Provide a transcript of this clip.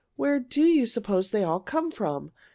"Where do you suppose they all come from?